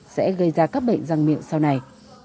sẽ gây ra các bệnh răng miệng sau này